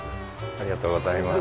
ありがとうございます。